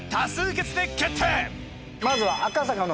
まずは。